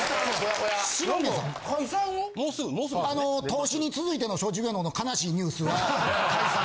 ・投資に続いての松竹芸能の悲しいニュースは解散。